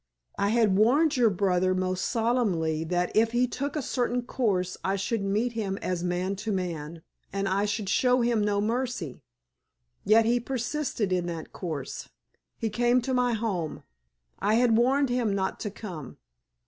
I had warned your brother most solemnly that if he took a certain course I should meet him as man to man, and I should show him no mercy. Yet he persisted in that course. He came to my home! I had warned him not to come.